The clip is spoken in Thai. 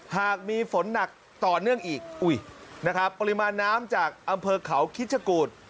หากมีฝนหนักต่อเนื่องอีกอุ้ยนะครับปริมาณน้ำจากอำเภอเขาคิดชะกูธ